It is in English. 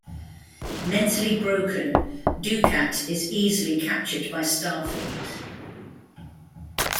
Mentally broken, Dukat is easily captured by Starfleet.